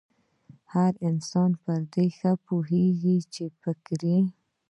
هر انسان پر دې ښه پوهېږي چې فکري